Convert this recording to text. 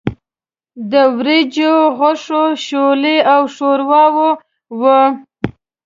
د وریجو، غوښو، شولې او ښورواوې وو.